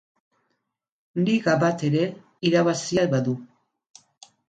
Liga bat ere irabazia badu.